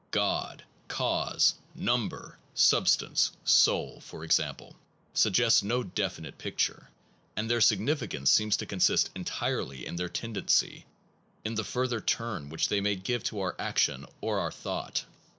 God/ cause/ num ber/ substance/ soul/ for example, suggest no definite picture; and their significance seems to consist entirely in their tendency, in the further turn which they may give to our action or our thought.